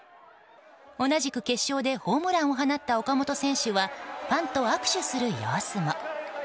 同じく決勝でホームランを放った岡本選手はファンと握手する様子も。